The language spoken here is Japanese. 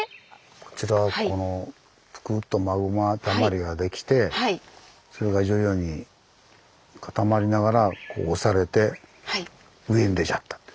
こちらこのプクッとマグマだまりができてそれが徐々に固まりながらこう押されて上に出ちゃったと。